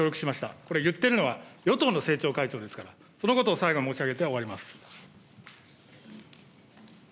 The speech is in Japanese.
これ、言ってるのは与党の政調会長ですから、そのことを最後申し上げて終わります。